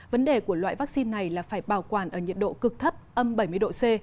vấn đề của loại vaccine này là phải bảo quản ở nhiệt độ cực thấp âm bảy mươi độ c